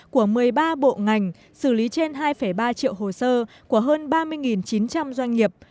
của một mươi ba bộ ngành xử lý trên hai ba triệu hồ sơ của hơn ba mươi chín trăm linh doanh nghiệp